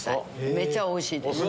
めちゃおいしいです。